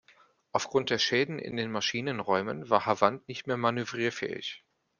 Aufgrund der Schäden in den Maschinenräumen war "Havant" nicht mehr manövrierfähig.